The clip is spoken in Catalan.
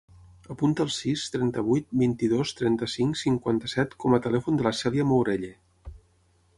Apunta el sis, trenta-vuit, vint-i-dos, trenta-cinc, cinquanta-set com a telèfon de la Cèlia Mourelle.